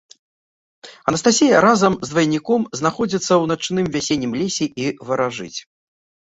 Анастасія разам з двайніком знаходзіцца ў начным вясеннім лесе і варажыць.